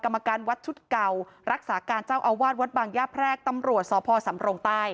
กรมการวัตตว์ชุดเก่ารักสาการเจ้าอวาดวัดบางหญ้าแพรกตำรวจสภสมโตรงตตาย